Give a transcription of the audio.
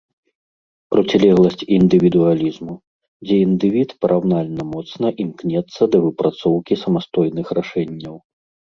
Процілегласць індывідуалізму, дзе індывід параўнальна моцна імкнецца да выпрацоўкі самастойных рашэнняў.